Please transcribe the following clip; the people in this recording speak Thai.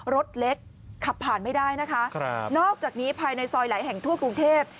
รถเล็กขับผ่านไม่ได้นะคะนอกจากนี้ภายในซอยหลายแห่งทั่วกรุงเทพ